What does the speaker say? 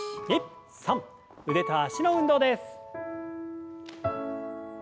腕と脚の運動です。